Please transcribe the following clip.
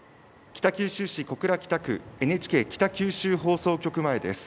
北九州市小倉北区、ＮＨＫ北九州放送局前です。